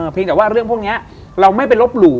เพียงแต่ว่าเรื่องพวกนี้เราไม่ไปลบหลู่